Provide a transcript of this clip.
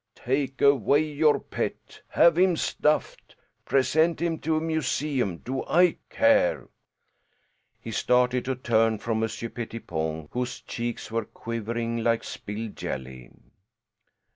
Take away your pet. Have him stuffed. Present him to a museum. Do I care?" He started to turn from Monsieur Pettipon, whose cheeks were quivering like spilled jelly.